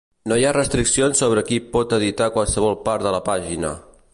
No hi ha restriccions sobre qui pot editar qualsevol part de la pàgina.